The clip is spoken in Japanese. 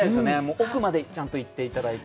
奥までちゃんと行っていただいて。